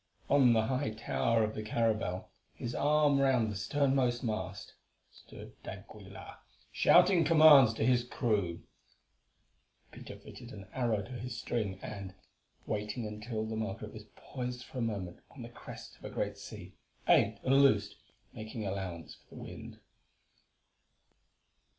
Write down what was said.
On the high tower of the caravel, his arm round the sternmost mast, stood d'Aguilar, shouting commands to his crew. Peter fitted an arrow to his string and, waiting until the Margaret was poised for a moment on the crest of a great sea, aimed and loosed, making allowance for the wind.